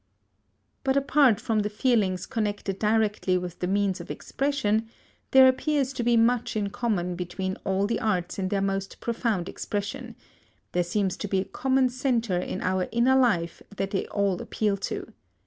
But apart from the feelings connected directly with the means of expression, there appears to be much in common between all the arts in their most profound expression; there seems to be a common centre in our inner life that they all appeal to.